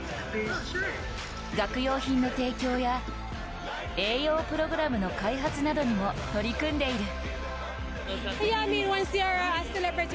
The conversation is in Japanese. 学用品の提供や栄養プログラムの開発などにも取り組んでいる。